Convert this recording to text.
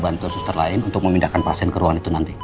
kita minta bantu suster lain untuk memindahkan pasien ke ruang itu nanti